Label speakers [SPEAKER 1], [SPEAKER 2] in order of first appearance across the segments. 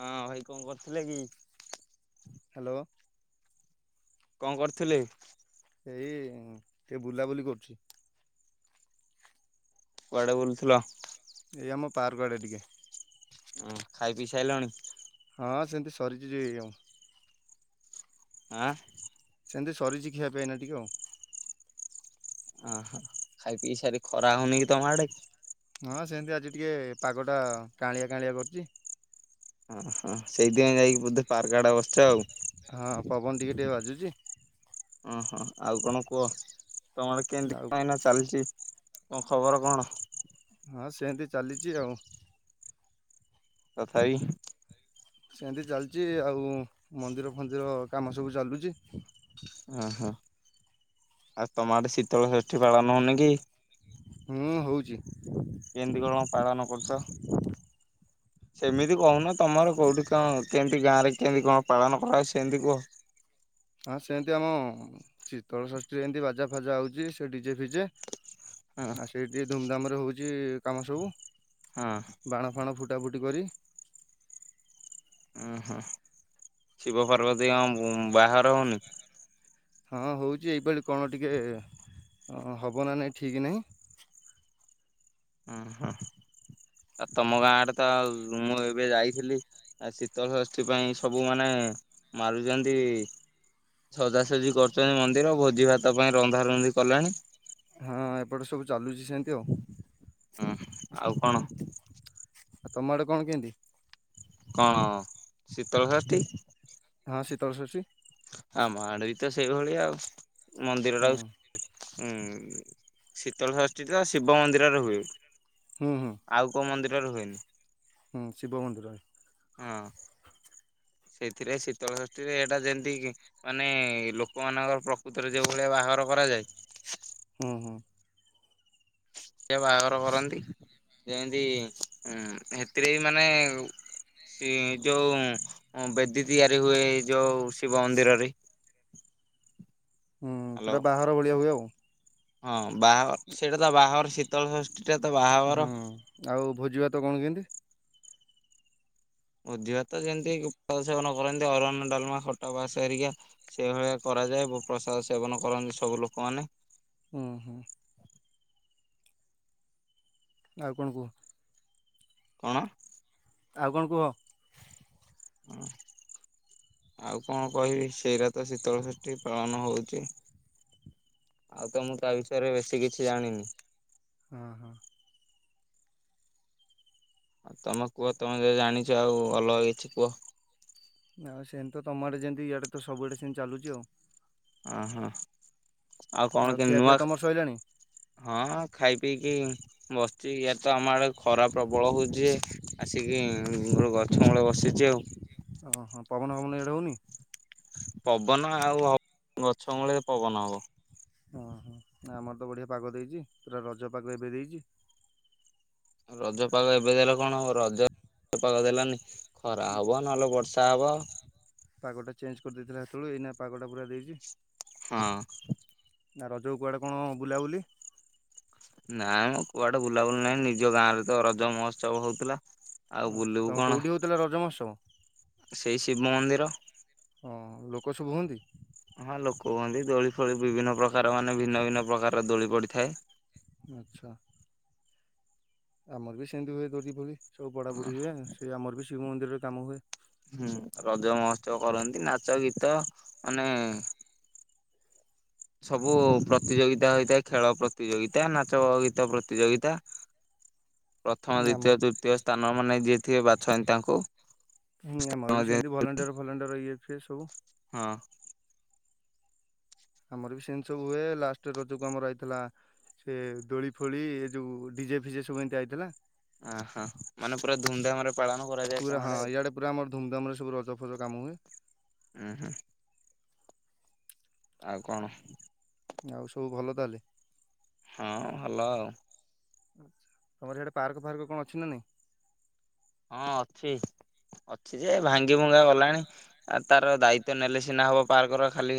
[SPEAKER 1] ହଁ ଭାଇ କଣ କରୁଥିଲେ କି?
[SPEAKER 2] ହ୍ୟାଲୋ।
[SPEAKER 1] କଣ କରୁଥିଲେ?
[SPEAKER 2] ଏଇ ଟିକେ ବୁଲାବୁଲି କରୁଛି।
[SPEAKER 1] କୁଆଡେ ବୁଲୁଥୁଲ?
[SPEAKER 2] ଏଇଆମ ପାର୍କ ଆଡ଼େ ଟିକେ।
[SPEAKER 1] ଉଁ ଖାଇ ପିଇ ସାଇଲଣି?
[SPEAKER 2] ହଁ ସେମିତି ସରିଛି ଯେ ଆଉ।
[SPEAKER 1] ଆଁ।
[SPEAKER 2] ସେମିତି ସରିଛି ଖିଆ ପିଆ ଏଇନା ଟିକେ ଆଉ।
[SPEAKER 1] ଅ ହ ଖାଇ ପିଇ ସାରି ଖରା ହଉନି କି ତମ ଆଡେ।
[SPEAKER 2] ହଁ ସେମିତି ଆଜି ଟିକେ ପାଗଟ କାଁଳିଆ କାଁଳିଆ କରୁଚି।
[SPEAKER 1] ଅଁହଁ ସେଇଥିପାଇଁ ଯାଇକି ବୋଧେ ପାର୍କ ଆଡେ ବସିଛ ଆଉ।
[SPEAKER 2] ହଁ ପବନ ଟିକେ ଟିକେ ବାଜୁଛି।
[SPEAKER 1] ଓହୋ ଆଉ କଣ କୁହ ତମର କେମିତି
[SPEAKER 2] ଆଉ
[SPEAKER 1] କଁ ଏଇନା ଚାଲିଛି। କଣ ଖବର କଣ?
[SPEAKER 2] ହଁ ସେନ୍ତି ଚାଲିଛି ଆଉ।
[SPEAKER 1] ତଥାବି।
[SPEAKER 2] ସେନ୍ତି ଚାଲିଚି ଆଉ ମନ୍ଦିର ଫନ୍ଦିର କାମ ସବୁ ଚାଲୁଚି।
[SPEAKER 1] ଓହୋ ଆଉ ତମ ଆଡେ ଶୀତଳ ଷଷ୍ଠୀ ପାଳନ ହୋଉନି କି।
[SPEAKER 2] ହୁଁ ହୋଉଚି।
[SPEAKER 1] କେନ୍ତି କଣ ପାଳନ କରୁଚ। ସେମିତି କୋହୁନ ତମର କୋଉଠି କଣ କେମିତି ଗାଁରେ କେମିତି କଁ ପାଳନ କରା ସେନ୍ତି କୁହ।
[SPEAKER 2] ହଁ ସେମିତି ଆମ ଶୀତଳ ସଷ୍ଟି ଏମିତି ବାଜା ଫାଜା ହଉଛି ସେ ଡିଜେ ଫିଜେ
[SPEAKER 1] ହଁ
[SPEAKER 2] ଆ ସେଇଠି ଧୁମଧାମ ରେ ହଉଛି କାମ ସବୁ।
[SPEAKER 1] ହୁଁ
[SPEAKER 2] ବାଣ ଫାଣ ଫୁଟା ଫୁଟି କରି
[SPEAKER 1] ଉଁ ହୁଁ ଶିବ ପାର୍ବତୀ ଙ୍କ ବାହାଘର ହଉନି।
[SPEAKER 2] ହଁ ହଉଛି ଏଇପାଳି କଣ ଟିକେ ହବ ନା ନାହିଁ ଠିକ୍ ନାହିଁ।
[SPEAKER 1] ଓହୋ ଆଉ ତମ ଗାଁ ଆଡେ ତ ମୁଁ ଏବେ ଯାଇଥିଲି। ଆ ଶୀତଳ ଷଷ୍ଠୀ ପାଇଁ ସବୁ ମାନେ ମାରୁଛନ୍ତି ସଜାସଜି କରୁଛନ୍ତି ମନ୍ଦିର ଭୋଜି ଭାତ ପାଇଁ ରନ୍ଧା ରନ୍ଧି କଲାଣି।
[SPEAKER 2] ହଁ ଏପଟେ ସବୁ ଚାଲୁଛି ସେମିତି ଆଉ।
[SPEAKER 1] ହୁଁ ଆଉ କଣ?
[SPEAKER 2] ଆଉ ତମ ଆଡେ କଣ କେମିତି?
[SPEAKER 1] କଣ ଶୀତଳଷଷ୍ଠୀ?
[SPEAKER 2] ହଁ ଶୀତଳଷଷ୍ଠୀ।
[SPEAKER 1] ଆମଆଢେ ବିତ ସେଇ ଭଳିଆ ଆଉ
[SPEAKER 2] ହୁଁ
[SPEAKER 1] ମନ୍ଦିରଟାକୁ ହୁଁ ଶୀତଳଷଷ୍ଠୀ ତ ଶିବ ମନ୍ଦିରରେ ହୁଏ।
[SPEAKER 2] ହଁ ହଁ।
[SPEAKER 1] ଆଉ କୋଉ ମନ୍ଦିରରେ ହୁଏନି।
[SPEAKER 2] ହୁଁ ଶିବ ମନ୍ଦିରରେ।
[SPEAKER 1] ହଁ। ସେଥିରେ ଶୀତଳଷଷ୍ଠୀ ରେ ଏଇଟା ଯେମିତି ମାନେ ଲୋକମାନଙ୍କର ପ୍ରକୃତିରେ ଯୋଉ ଭଳିଆ ବାହାଘର କରାଯାଏ।
[SPEAKER 2] ହୁଁ ହୁଁ।
[SPEAKER 1] ସେଏ ବାହାଘର କରନ୍ତି ଯେମିତି ଉଁ ହେଥିରେ ବି ମାନେ ସେ ଯୋଉଁ ବେଦୀ ତିଆରି ହୁଏ ଯୋଉ ଶିବ ମନ୍ଦିରରେ
[SPEAKER 2] ହୁଁ
[SPEAKER 1] ହ୍ୟାଲୋ
[SPEAKER 2] ପୁରା ବାହଘର ଭଳିଆ ହୁଏ ଆଉ।
[SPEAKER 1] ହଁ ବାହାଘର ସେଇଟା ତ ବାହାଘର ଶୀତଳ ଟା ତ ବାହାଘର।
[SPEAKER 2] ହୁଁ ଆଉ ଭୋଜି ଭାତ କଣ କେମିତି?
[SPEAKER 1] ଭୋଜିଭାତ ଯେମିତି କି ପ୍ରସାଦ ସେବନ କରନ୍ତି ଅରୁଆନ୍ନ ଡାଲମା ଖଟା ପାସ ହରିକା ସେଭଳିଆ କରାଯାଏ ପ୍ରସାଦ ସେବନ କରନ୍ତି ସବୁ ଲୋକମାନେ।
[SPEAKER 2] ଉଁହୁଁ। ଆଉ କଣ କୁହ।
[SPEAKER 1] କଣ?
[SPEAKER 2] ଆଉ କଣ କୁହ?
[SPEAKER 1] ହୁଁ। ଆଉ କଣ କହିବି ସେଇରା ତ ଶୀତଳ ଷଷ୍ଠୀ ପାଳନ ହଉଛି। ଆଉ ତ ମୁଁ ତା ବିଷୟରେ ବେଶୀ କିଛି ଜାଣିନି।
[SPEAKER 2] ହଁ ହଁ।
[SPEAKER 1] ଆଉ ତମେ କୁହ ତମେ ଯଦି ଜାଣିଛ ଆଉ ଅଲଗା କିଛି କୁହ।
[SPEAKER 2] ନାଇ ସେମିତି ତ ତମଆଢେ ଯେମିତି ଇଆଢେ ତ ସବୁଆଡ଼େ ସେମତି ଚାଲୁଛି ଆଉ।
[SPEAKER 1] ଓହୋ। ଆଉ କଣ କେ
[SPEAKER 2] ଖିଆପିଆ
[SPEAKER 1] ନୂଆ
[SPEAKER 2] ତମର ସଇଲାଣି?
[SPEAKER 1] ହଁ ଖାଇ ପିଇକି ବସିଚ ଇଆଢେ ତ ଆମ ଆଡେ ଖରା ପ୍ରବଳ ହଉଛି ଯେ ଆସିକି ଗୋଟେ ଗଛ ମୂଳେ ବସିଛି ଆଉ।
[SPEAKER 2] ଓହୋ ପବନ ହବନ ଏଇଢେ ହଉନି।
[SPEAKER 1] ପବନ ଆଉ ହବ ଗଛ ମୂଳେ ପବନ ହବ।
[SPEAKER 2] ଓହୋ ଆମର ତ ବଢିଆ ପାଗ ଦେଇଛି ପୁରା ରଜ ପାଗ ଏବେ ଦେଇଛି।
[SPEAKER 1] ରଜପାଗ ଏବେ ଦେଲା କଣ ରଜରେ ତ ପାଗ ଦେଲାନି। ଖରା ହେବ ନହେଲେ ବର୍ଷା ହେବ।
[SPEAKER 2] ପାଗଟା ଚେଞ୍ଜ କରିଦେଇଥିଲା ସେତେଳୁ ଏଇନା ପାଗଟା ପୁରା ଦେଇଛି।
[SPEAKER 1] ହଁ।
[SPEAKER 2] ନା ରଜ କୁଆଡ଼େ କଣ ବୁଲାବୁଲି?
[SPEAKER 1] ନାଇଁ ମୋ କୁଆଡେ ବୁଲାବୁଲି ନାହିଁ ନିଜ ଗାଁରେ ତ ରଜ ମହୋତ୍ସବ ହଉଥିଲା। ଆଉ ବୁଲିବୁ
[SPEAKER 2] ତମ
[SPEAKER 1] କଣ
[SPEAKER 2] କେଉଁଠି ହେଉଥିଲା ରଜ ମହୋତ୍ସବ?
[SPEAKER 1] ସେଇ ଶିବ ମନ୍ଦିର।
[SPEAKER 2] ହଁ ଲୋକ ସବୁ ହୁଅନ୍ତି?
[SPEAKER 1] ହଁ ଲୋକ ହୁହନ୍ତି ଦୋଳି ଫୋଳି ବିଭିନ୍ନ ପ୍ରକାର ମାନେ ଭିନ୍ନ ଭିନ୍ନ ପ୍ରକାରର ଦୋଳି ପଡିଥାଏ।
[SPEAKER 2] ଆଛା। ଆମର ବି ସେମିତି ହୁଏ ଦୋଳି ଫୋଳି ସବୁ ପଡା ପଡି ହୁଏ ସେ ଆମର ବି ଶିବ ମନ୍ଦିରରେ କାମ ହୁଏ।
[SPEAKER 1] ହୁଁ ରଜ ମହୋତ୍ସବ କରନ୍ତି ନାଚ ଗୀତ ମାନେ ସବୁ ପ୍ରତିଯୋଗିତା ହେଇଥାଏ ଖେଳ ପ୍ରତିଯୋଗିତା ନାଚ ଗୀତ ପ୍ରତିଯୋଗିତା ପ୍ରଥମ
[SPEAKER 2] ଆମର
[SPEAKER 1] ଦ୍ଵିତୀୟ ତୃତୀୟ ସ୍ଥାନ ମାନେ ଯିଏ ଥିବେ ବାଛନ୍ତି ତାଙ୍କୁ।
[SPEAKER 2] ହୁଁ ଆମର ବି
[SPEAKER 1] ମଧ୍ୟ
[SPEAKER 2] ସେମିତି ଭଲାଣ୍ଟିୟର ଫଲାଣ୍ଟିୟର ଇଏ ଫିଏ ସବୁ
[SPEAKER 1] ହଁ।
[SPEAKER 2] ଆମର ବି ସେମିତି ସବୁ ହୁଏ ଲାଷ୍ଟ ରଜକୁ ଆମର ଆଇଥିଲା ସେ ଦୋଳି ଫୋଳି ଏ ଯୋଉ ଡିଜେ ଫିଜେ ସବୁ ଏମିତି ଆଇଥିଲା।
[SPEAKER 1] ଅଁ ହଁ ମାନେ ପୁରା ଧୁମଧାମରେ ପାଳନ କରାଯାଏ।
[SPEAKER 2] ପୁରା
[SPEAKER 1] ତମ
[SPEAKER 2] ହଁ
[SPEAKER 1] ଆଡେ
[SPEAKER 2] ଇଆଡେ ପୁରା ଆମର ଧୁମଧାମରେ ସବୁ ରଜ ଫଜ କାମ ହୁଏ।
[SPEAKER 1] ଉଁ ହୁଁ। ଆଉ କଣ?
[SPEAKER 2] ଆଉ ସବୁ ଭଲ ତାହେଲେ?
[SPEAKER 1] ହଁ ଭଲ ଆଉ।
[SPEAKER 2] ତମର ହିଆଡେ ପାର୍କ ଫାର୍କ କଣଅଛି ନାଁ ନାଇଁ?
[SPEAKER 1] ହଁ ଅଛି ଅଛି ଯେ ଭାଙ୍ଗି ଭୁଙ୍ଗା ଗଲାଣି। ଆ ତାର ଦାୟିତ୍ଵ ନେଲେ ସିନା ହବ ପାର୍କର ଖାଲି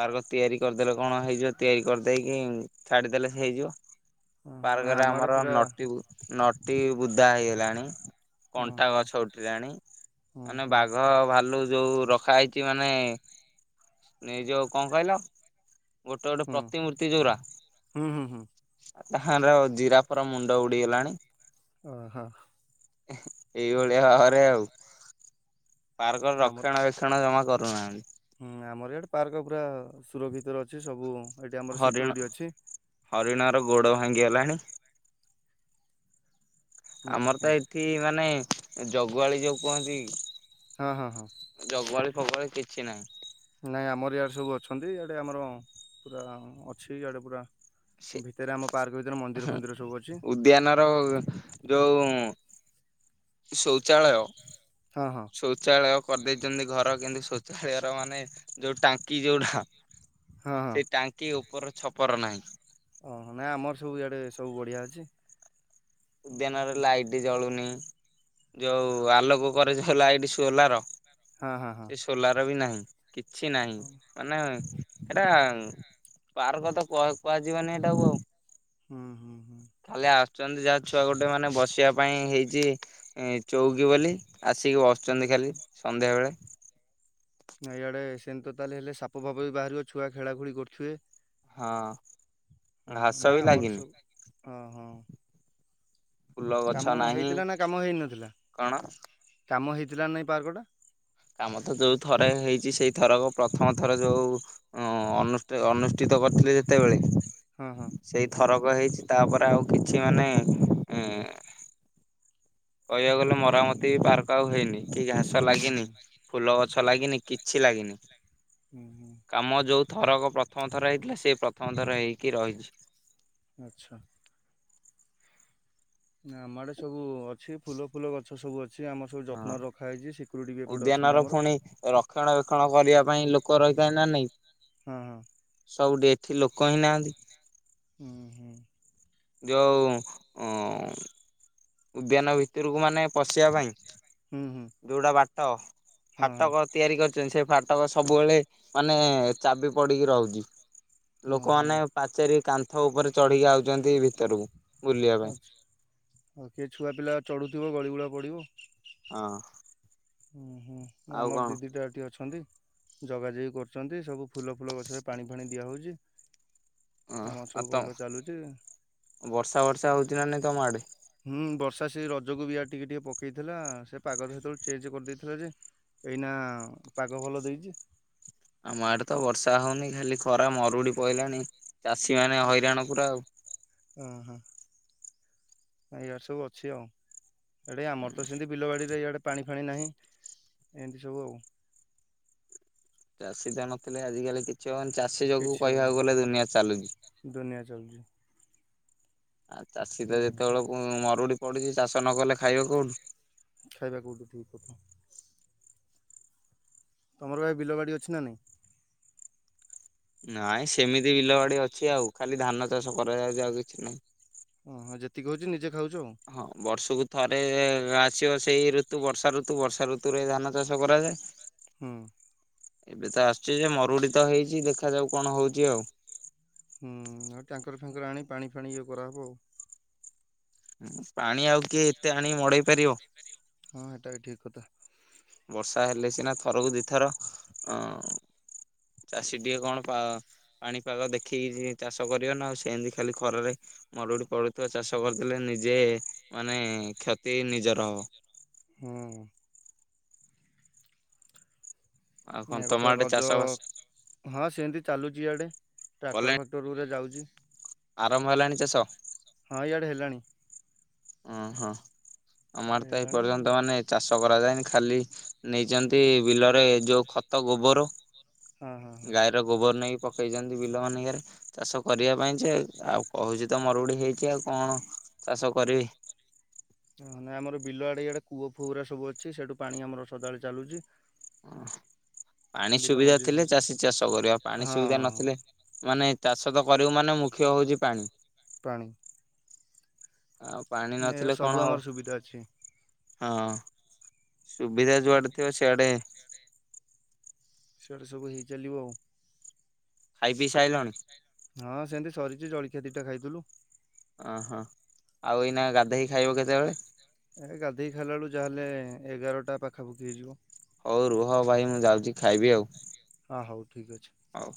[SPEAKER 1] ପାର୍କ ତିଆରି କରିଦେଲେ କଣ ହେଇଯିବ ତିଆରି କରିଦେଇକି ଛାଡିଦେଲେ ସେ ହେଇଯିବ।
[SPEAKER 2] ଓହୋ ନା
[SPEAKER 1] ପାର୍କରେ
[SPEAKER 2] ଆମ ଆଡେ
[SPEAKER 1] ଆମର
[SPEAKER 2] ପୁରା
[SPEAKER 1] ନଟି ନଟି ବୁଦା ହେଇଗଲାଣି। କଣ୍ଟା
[SPEAKER 2] ଓହୋ
[SPEAKER 1] ଗଛ ଉଠିଲାଣି
[SPEAKER 2] ହୁଁ
[SPEAKER 1] ମାନେ
[SPEAKER 2] ହୁଁ
[SPEAKER 1] ବାଘ ଭାଲୁ ଯୋଉ ର ଖା ହେଇକି ମାନେ ନି ଯୋଉ କଣ କହିଲ? ଗୋଟେ ଗୋଟେ
[SPEAKER 2] ହୁଁ
[SPEAKER 1] ପ୍ରତିମୂର୍ତ୍ତି ଯୋଉରା
[SPEAKER 2] ହୁଁ ହୁଁ ହୁଁ
[SPEAKER 1] ତାହାର ଜିରାଫ ର ମୁଣ୍ଡ ଉଡିଗଲାଣି।
[SPEAKER 2] ଓହୋ।
[SPEAKER 1] ଏଇଭଳିଆ ଭାବରେ ଆଉ। ପାର୍କର
[SPEAKER 2] ଆମର
[SPEAKER 1] ରକ୍ଷଣା ବେକ୍ଷଣ ଜମା କରୁନାହାଁନ୍ତି।
[SPEAKER 2] ହୁଁ ଆମର ଏଇଆଡେ ପାର୍କ ପୁରା ସୁରକ୍ଷିତରେ ଅଛି ସବୁ ଏଠି ଆମର
[SPEAKER 1] ହରିଣ
[SPEAKER 2] ସିକ୍ୟୁରିଟି ଅଛି।
[SPEAKER 1] ହରିଣ ର ଗୋଡ ଭାଙ୍ଗିଗଲାଣି।
[SPEAKER 2] ହୁଁ
[SPEAKER 1] ଆମର
[SPEAKER 2] ହୁଁ
[SPEAKER 1] ତ ଏଠି ମାନେ ଜଗୁଆଳି ଯୋଉ କୁହନ୍ତି
[SPEAKER 2] ହଁ ହଁ ହଁ।
[SPEAKER 1] ଜଗୁଆଳି ଫଗୁଆଳି କିଛି ନାହିଁ।
[SPEAKER 2] ନାଇଁ ଆମର ଇଆଡେ ସବୁ ଅଛନ୍ତି ଇଆଡେ ଆମର ପୁରା ଅଛି ଇଆଡେ ପୁରା
[SPEAKER 1] ସେ
[SPEAKER 2] ଭିତରେ ଆମ ପାର୍କ ଭିତରେ ମନ୍ଦିର ଫନ୍ଦିର ସବୁ ଅଛି।
[SPEAKER 1] ଉଦ୍ୟାନର ଯୋଉ ଶୌଚାଳୟ
[SPEAKER 2] ହଁ ହଁ।
[SPEAKER 1] ଶୌଚାଳୟ କରିଦେଇଛନ୍ତି ଘର କିନ୍ତୁ ଶୌଚାଳୟର ମାନେ ଯୋଉ ଟାଙ୍କି ଯଉଟା
[SPEAKER 2] ହଁ ହଁ
[SPEAKER 1] ସେ ଟାଙ୍କି ଓପର ଛପର ନାହିଁ।
[SPEAKER 2] ଓହୋ ନାଇଁ ଆମର ସବୁ ଇଆଡେ ସବୁ ବଢିଆ ଅଛି।
[SPEAKER 1] ଉଦ୍ୟାନରେ ଲାଇଟ୍ ଜଳୁନି ଯଉ ଆଲୋକ କରେ ଯଉ ଲାଇଟ୍ ସୋଲାର
[SPEAKER 2] ହଁ ହଁ ହଁ।
[SPEAKER 1] ସେ ସୋଲାର ବି ନାହିଁ କିଛି ନାହିଁ
[SPEAKER 2] ହୁଁ
[SPEAKER 1] ମାନେ ଏରା ପାର୍କ ତ କୁହ କୁହାଯିବନି ହେଟାକୁ ଆଉ।
[SPEAKER 2] ହୁଁ ହୁଁ ହୁଁ।
[SPEAKER 1] ଖାଲି ଆସୁଛନ୍ତି ଯାହା ଛୁଆ ଗୋଟେ ମାନେ ବସିବା ପାଇଁ ହେଇଛି ଚଉକି ବୋଲି ଆସିକି
[SPEAKER 2] ହୁଁ।
[SPEAKER 1] ବସୁଛନ୍ତି ଖାଲି ସନ୍ଧ୍ୟା ବେଳେ।
[SPEAKER 2] ନା ଇଆଡେ ସେମିତି ତ ତାହେଲେ ହେଲେ ସାପ ଫାପ ବି ବାହାରିବ ଛୁଆ ଖେଳା ଖେଳି କରୁଥିବେ।
[SPEAKER 1] ହଁ।
[SPEAKER 2] ହଁ
[SPEAKER 1] ଘାସ ବି
[SPEAKER 2] ନାଇଁ ଆମର
[SPEAKER 1] ଲାଗିନି
[SPEAKER 2] ସବୁ ହଁ ହଁ
[SPEAKER 1] ଫୁଲ ଗଛ
[SPEAKER 2] କାମ
[SPEAKER 1] ନାହିଁ
[SPEAKER 2] ହେଇଥିଲା ନା କାମ ହେଇନଥିଲା
[SPEAKER 1] କଣ
[SPEAKER 2] କାମ ହେଇଥିଲା ନା ଏ ପାର୍କ ଟା?
[SPEAKER 1] କାମ ତ ଯୋଉ ଥରେ ହେଇଛି ସେଇ ଥରକ ପ୍ରଥମ ଥର ଯୋଉ ହଁ ଅନୁଷ୍ଟେ ଅନୁଷ୍ଟିତ କରିଥିଲେ ଯେତେବେଳେ।
[SPEAKER 2] ହଁ ହଁ।
[SPEAKER 1] ସେଇ ଥରକ ହେଇଛି ତାପରେ ଆଉ କିଛି ମାନେ କହିବାକୁ ଗଲେ ମରାମତି ବି ପାର୍କ ଆଉ ହେଇନି କି ଘାସ
[SPEAKER 2] ହୁଁ
[SPEAKER 1] ଲାଗିନି।
[SPEAKER 2] ହୁଁ।
[SPEAKER 1] ଫୁଲ ଗଛ ଲାଗିନି କିଛି ଲାଗିନି।
[SPEAKER 2] ହୁଁ ହୁଁ।
[SPEAKER 1] କାମ ଯୋଉ ଥରକ ପ୍ରଥମ ଥର ହେଇଥିଲା ସେ ପ୍ରଥମ ଥର ହେଇକି ରହିଛି।
[SPEAKER 2] ଆଚ୍ଛା। ନା ଆମ ଆଡ଼େ ସବୁ ଅଛି। ଫୁଲ ଫୁଲ ଗଛ ସବୁ ଅ ସେ ଆମର ସବୁ
[SPEAKER 1] ହଁ।
[SPEAKER 2] ଯତ୍ନରେ ରଖା ହେଇଛି। ସିକ୍ୟୁରିଟି ବି ଏପଟେ
[SPEAKER 1] ଉଦ୍ୟାନର
[SPEAKER 2] ଅଛନ୍ତି ଆମର।
[SPEAKER 1] ପୁଣି ରକ୍ଷଣ ବକ୍ଷଣ କରିବା ପାଇଁ ଲୋକ ରହିଥାଏ ନା ନାଇଁ?
[SPEAKER 2] ହଁ ହଁ।
[SPEAKER 1] ସବୁଠି ଏଠି ଲୋକ ହିଁ ନାହାନ୍ତି।
[SPEAKER 2] ହୁଁ ହୁଁ।
[SPEAKER 1] ଯୋଉ ଉଦ୍ୟାନ ଭିତରକୁ ମାନେ ପଶିବା ପାଇଁ
[SPEAKER 2] ହୁଁ ହୁଁ
[SPEAKER 1] ଯୋଉଟା ବାଟ
[SPEAKER 2] ହଁ ହଁ
[SPEAKER 1] ଫାଟକ ତିଆରି କରିଛନ୍ତି ସେ ଫାଟକ ସବୁବେଳେ ମାନେ ଚାବି ପଡ଼ିକି ରହୁଛି।
[SPEAKER 2] ଓହୋ।
[SPEAKER 1] ଲୋକମାନେ ପାଚେରୀ କାନ୍ଥ ଉପରେ ଚଢ଼ିକି ଆଉଛନ୍ତି ଭିତରକୁ ବୁଲିବା ପାଇଁ।
[SPEAKER 2] ହଉ କିଏ ଛୁଆ ପିଲା ଚଢ଼ୁଥିବ ଗଳିଗୁଳା ପଡ଼ିବ।
[SPEAKER 1] ହଁ।
[SPEAKER 2] ହୁଁ ହୁଁ
[SPEAKER 1] ଆଉ
[SPEAKER 2] ଆମର
[SPEAKER 1] କଣ
[SPEAKER 2] ଦି ଦିଟା ଏଠି ଅଛନ୍ତି। ଜଗା ଜଗି କରୁଛନ୍ତି ସବୁ ଫୁଲ ଫୁଲ ଗଛରେ ପାଣି ଫାଣି ଦିଆ ହୋଉଛି।
[SPEAKER 1] ଓ ଆଉ ତମ ବର୍ଷା ବର୍ଷା ହଉଛି ନା ନାଇଁ ତମ ଆଡ଼େ?
[SPEAKER 2] ହୁଁ ବର୍ଷା ସେ ରଜକୁ ବି ଇଆଡେ ଟିକେ ଟିକେ ପକେଇଥିଲା ସେ ପାଗ ସେତେବେଳେ ଚେଞ୍ଜ କରିଦେଇଥିଲା ଯେ। ଏଇନା ପାଗ ଭଲ ଦେଇଚି।
[SPEAKER 1] ଆମ ଆଡ଼େ ତ ବର୍ଷା ହୋଉନି ଖାଲି ଖରା ମରୁଡ଼ି ପଇଲାଣି ଚାଷୀ ମାନେ ହଇରାଣ ପୁରା ଆଉ।
[SPEAKER 2] ଓହୋ ଏଆରେ ସବୁ ଅଛି ଆଉ। ଏଇଡ଼େ ଆମର ତ ସେମିତି ବିଲବାଡ଼ିରେ ଇଆଡ଼େ ପାଣି ଫାଣି ନାହିଁ ଏମିତି ସବୁ ଆଉ।
[SPEAKER 1] ଚାଷୀ ଟା ନଥିଲେ ଆଜି କାଲି କିଛି ହବନି। ଚାଷୀ ଯୋଗୁ
[SPEAKER 2] କିଛି
[SPEAKER 1] କହିବାକୁ ଗଲେ
[SPEAKER 2] ହବନି
[SPEAKER 1] ଦୁନିଆ ଚାଲୁଛି।
[SPEAKER 2] ଦୁନିଆ ଚାଲୁଛି।
[SPEAKER 1] ଆଉ ଚାଷୀ ତ
[SPEAKER 2] ହୁଁ
[SPEAKER 1] ଯେତେବେଳେ ମରୁଡ଼ି ପଡ଼ିଛି। ଚାଷ ନ କଲେ ଖାଇବ କୋଉଠୁ?
[SPEAKER 2] ଖାଇବା କୋଉଠୁ ଠିକ୍ କଥା। ତମର ଭାଇ ବିଲ ବାଡ଼ି ଅଛି ନା ନାଇଁ?
[SPEAKER 1] ନାଇଁ ସେମିତି ବିଲ ବାଡ଼ି ଅଛି ଆଉ ଖାଲି ଧାନ ଚାଷ କରାଯାଉଛି ଆଉ କିଛି ନାଇଁ।
[SPEAKER 2] ଓ ହଁ ଯେତିକି ହଉଛି ନିଜେ ଖାଉଛୁ ଆଉ।
[SPEAKER 1] ହଁ ବର୍ଷକୁ ଥରେ ଆସିବ ସେଇ ଋତୁ ବର୍ଷା ଋତୁ ବର୍ଷା ଋତୁରେ ଧାନ ଚାଷ କରାଯାଏ।
[SPEAKER 2] ହୁଁ।
[SPEAKER 1] ଏବେ ତ ଆସଛି ଯେ ମରୁଡ଼ି ତ ହେଇଚି ଦେଖା ଯାଉ କଣ ହୋଉଚି ଆଉ।
[SPEAKER 2] ହୁଁ ଆଉ ଟ୍ୟାଙ୍କର ଫାଙ୍କର ଆଣି ପାଣି ଫାଣି ଇଏ କରାହବଆଉ।
[SPEAKER 1] ପାଣି ଆଉ କିଏ ଏତେ ଆଣିକି ମଡେଇପାରିବ।
[SPEAKER 2] ହଁ ହେଟା ବି ଠିକ୍ କଥା।
[SPEAKER 1] ବର୍ଷା ହେଲେ ସିନା ଥରକୁ ଦିଥର ଅ ଚାଷୀ ଟିକେ କଣ ପା ପାଣିପାଗ ଦେଖିକି ଚାଷ କରିବନା ଆଉ ସେମିତି ଖାଲି ଖରାରେ। ମରୁଡି ପଡୁଥିବା ଚାଷ କରିଦେଲେ ନିଜେ ମାନେ କ୍ଷତି ନିଜର ହବ।
[SPEAKER 2] ହୁଁ।
[SPEAKER 1] ଆଉ କଣ
[SPEAKER 2] ଏବେ
[SPEAKER 1] ତମ
[SPEAKER 2] ତ
[SPEAKER 1] ଆଡେ
[SPEAKER 2] ରଜ
[SPEAKER 1] ଚାଷ ବାସ
[SPEAKER 2] ହଁ ସେମିତି ଚାଲୁଛି ଇଆଡ଼େ ଟ୍ରାକ୍ଟର
[SPEAKER 1] କଲେଣି
[SPEAKER 2] ଫାକ୍ଟର ଗୁରା ଯାଉଛି।
[SPEAKER 1] ଆରମ୍ଭ ହେଲାଣି ଚାଷ?
[SPEAKER 2] ହଁ, ଇଆଡ଼େ ହେଲାଣି।
[SPEAKER 1] ଓହୋ। ଆମ ଆଡ଼େ
[SPEAKER 2] ଇଆଡେ
[SPEAKER 1] ତ
[SPEAKER 2] ହେଲାଣି
[SPEAKER 1] ଏପର୍ଯ୍ୟନ୍ତ ମାନେ ଚାଷ କଷ୍ଟ କରାଯାଏନି, ଖାଲି ନେଇଚନ୍ତି ବିଲରେ ଯୋଉ ଖତ, ଗୋବର
[SPEAKER 2] ହଁ ହଁ ହଁ।
[SPEAKER 1] ଏଟା ଗୋବର ନେଇକି ପକେଇଛନ୍ତି ବିଲମାନଙ୍କରେ, ଚାଷ କରିବା ପାଇଁ ଯେ ଆଉ କହୁଛି ତ ମୋର ଗୋଟେ ହେଇଛି ଆଉ କଣ ଚାଷ କରିବି?
[SPEAKER 2] ହ ନାଇଁ, ଆମର ବିଲ ଆଡେ ଇଆଡେ କୂଅ ଫୁହ ଗୁରା ସବୁ ଅଛି, ସେଇଠୁ ପାଣି ଆମର ସଦାବେଳେ ଚାଲୁଚି
[SPEAKER 1] ପାଣି ସୁବିଧା
[SPEAKER 2] ମଝିରେ
[SPEAKER 1] ଥିଲେ
[SPEAKER 2] ସବୁ
[SPEAKER 1] ଚାଷୀ ଚାଷ କରିବ, ଆଉ ପାଣି
[SPEAKER 2] ହଁ
[SPEAKER 1] ସୁବିଧା
[SPEAKER 2] ହଁ ହଁ
[SPEAKER 1] ନଥିଲେ ମାନେ ଚାଷ ତ କରିବୁ ମାନେ ମୁଖ୍ୟ ହଉଛି ପାଣି।
[SPEAKER 2] ପାଣି।
[SPEAKER 1] ଆଉ ପାଣି
[SPEAKER 2] ଏଆଡ଼େ
[SPEAKER 1] ନଥିଲେ
[SPEAKER 2] ସବୁ
[SPEAKER 1] କଣ ହବ?
[SPEAKER 2] ଆମର ସୁବିଧା ଅଛି।
[SPEAKER 1] ହଁ, ସୁବିଧା ଯୁଆଡେ ଥିବ, ସିଆଡେ
[SPEAKER 2] ସିଆଡ଼େ ସବୁ ହେଇ ଚାଲିବ ଆଉ।
[SPEAKER 1] ଖାଇ ପିଇ ସାଇଲଣି?
[SPEAKER 2] ହଁ ସେନ୍ତି ସରିଚି, ଜଳଖିଆ ଦିଟା ଖାଇଥିଲୁ।
[SPEAKER 1] ଓହୋ। ଆଉ ଏଇନା ଗାଧେଇକି ଖାଇବ କେତେବେଳେ?
[SPEAKER 2] ଏ ଗାଧେଇକି ଖାଇଲାବେଳୁକୁ ଯାହାହେଲେ, ଏଗାରଟା ପାଖାପାଖି ହେଇଯିବ।
[SPEAKER 1] ହଉ ରୁହ ଭାଇ, ମୁଁ ଯାଉଛି ଖାଇବି ଆଉ।
[SPEAKER 2] ହଁ ହଉ, ଠିକ ଅଛି।
[SPEAKER 1] ହଉ।